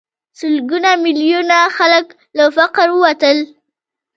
سلګونه میلیونه خلک له فقر ووتل.